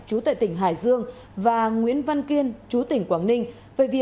chủ tệ tỉnh hải dương và nguyễn văn kiên chủ tỉnh quảng ninh về việc